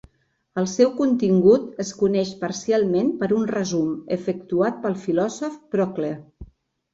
El seu contingut es coneix parcialment per un resum efectuat pel filòsof Procle.